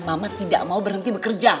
mamat tidak mau berhenti bekerja